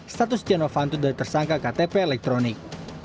status setia novanto dari tersangka ktp elektronik